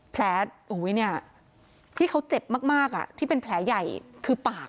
ที่เขาเจ็บมากที่เป็นแผลใหญ่คือปาก